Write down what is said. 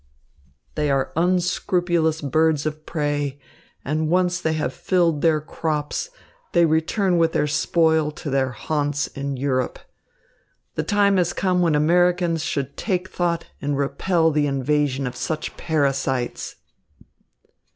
They are unscrupulous birds of prey, and once they have filled their crops, they return with their spoil to their haunts in Europe. The time has come when Americans should take thought and repel the invasion of such parasites."